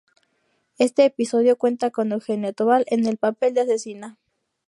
Este episodio cuenta con Eugenia Tobal, en el papel de asesina.